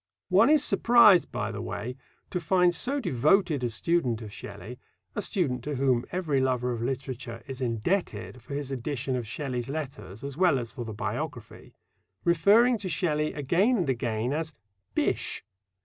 One is surprised, by the way, to find so devoted a student of Shelley a student to whom every lover of literature is indebted for his edition of Shelley's letters as well as for the biography referring to Shelley again and again as "Bysshe."